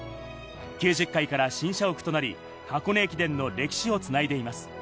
９０回から新社屋となり、箱根駅伝の歴史を繋いでいます。